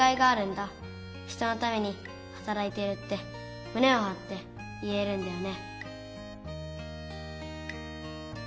人のためにはたらいてるってむねをはって言えるんだよね。